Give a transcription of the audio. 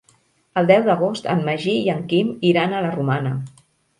El deu d'agost en Magí i en Quim iran a la Romana.